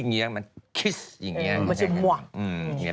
โง่งรามพูนอย่างเงี้ย